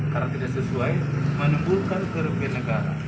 karena tidak sesuai menimbulkan kerugian negara